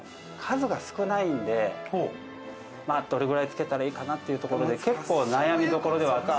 どれぐらいつけたらいいかなっていうところで結構悩みどころではあった。